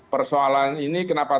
persoalan ini kenapa